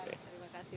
baik terima kasih